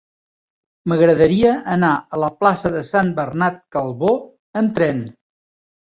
M'agradaria anar a la plaça de Sant Bernat Calbó amb tren.